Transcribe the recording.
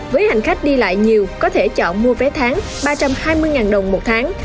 với hành khách đi lại nhiều có thể chọn mua vé tháng ba trăm hai mươi đồng một tháng